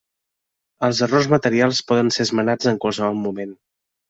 Els errors materials poden ser esmenats en qualsevol moment.